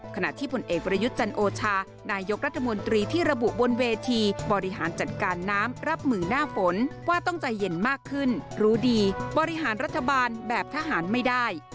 ขณะที่ผลเอกประยุทธ์จันโอชานายกรัฐมนตรีที่ระบุบนเวทีบริหารจัดการน้ำรับมือหน้าฝนว่าต้องใจเย็นมากขึ้นรู้ดีบริหารรัฐบาลแบบทหารไม่ได้